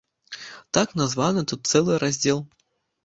Так названы тут цэлы раздзел.